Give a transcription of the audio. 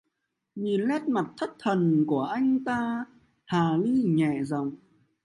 Nhìn nét mặt Thất thần của anh ta Hà Ni nhẹ giọng